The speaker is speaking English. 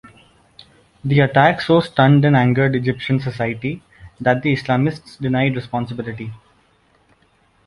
The attack so stunned and angered Egyptian society that Islamists denied responsibility.